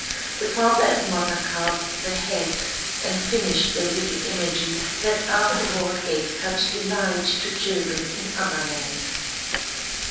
The father and mother carved the heads and finished the little images that afterward gave such delight to children in other lands.